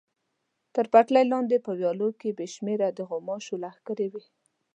تر پټلۍ لاندې په ویالو کې بې شمېره د غوماشو لښکرې وې.